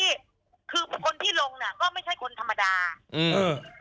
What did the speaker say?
ี่ที่ลงเนี้ยก็ไม่ใช่คนธรรมดาอื้อ